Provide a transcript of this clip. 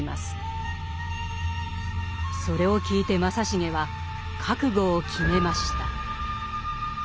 それを聞いて正成は覚悟を決めました。